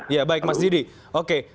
ya baik mas didi oke